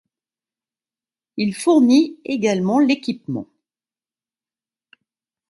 Il fournit également l'équipement.